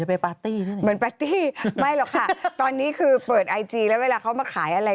คือแบบสมัยก่อนเขาสติปัญญานั่งดู